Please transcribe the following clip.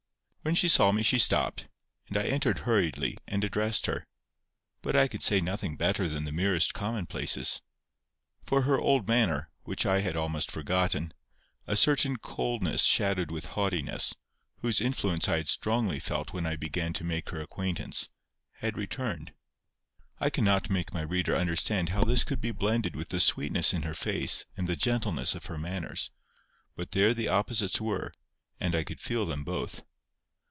When she saw me she stopped, and I entered hurriedly, and addressed her. But I could say nothing better than the merest commonplaces. For her old manner, which I had almost forgotten, a certain coldness shadowed with haughtiness, whose influence I had strongly felt when I began to make her acquaintance, had returned. I cannot make my reader understand how this could be blended with the sweetness in her face and the gentleness of her manners; but there the opposites were, and I could feel them both.